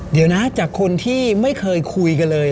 เดี๋ยวนะจากคนที่ไม่เคยคุยกันเลย